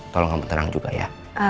tolong kamu terang juga ya